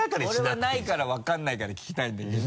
俺はないからわからないから聞きたいんだけど。